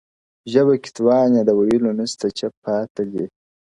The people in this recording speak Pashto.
o ژبه کي توان یې د ویلو نسته چپ پاته دی,